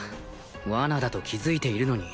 ワナだと気づいているのに